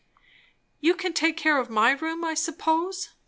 "You can take care of my room, I suppose?"